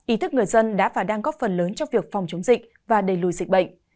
ý thức người dân đã và đang góp phần lớn trong việc phòng chống dịch và đầy lùi dịch bệnh